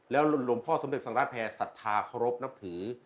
แล้วหลวงพ่อสมเด็จพระสังฆราชแผ่สัทธาโครบนับถือ